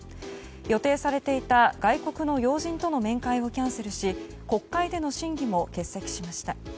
予定されていた外国の要人との面会をキャンセルし国会での審議も欠席しました。